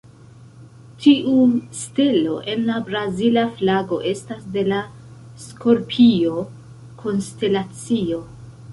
Tiu stelo en la Brazila flago estas de la Skorpio konstelacio.